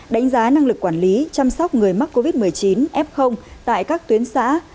đánh giá năng lực quản lý chăm sóc người mắc covid một mươi chín f tại các tuyến xã